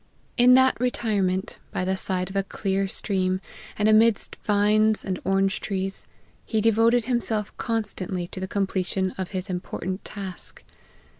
In that retirement, by the side of a clear stream, and amidst vines and orange trees, he devoted himself constantly to the com pletion of his important task.